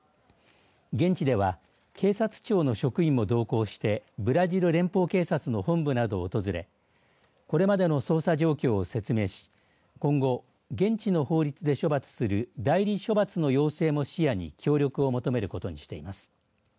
現地では警察庁の職員も同行してブラジル連邦警察の本部などを訪れこれまでの捜査状況を説明し今後、現地の法律で処罰する代理処罰の要請も視野に協力を求めることにしています。